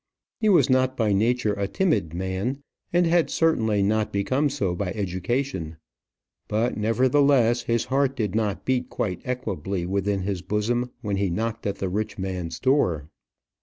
He was not by nature a timid man, and had certainly not become so by education; but, nevertheless, his heart did not beat quite equably within his bosom when he knocked at the rich man's door.